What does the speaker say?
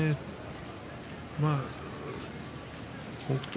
北勝